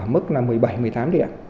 mức là một mươi bảy một mươi tám điểm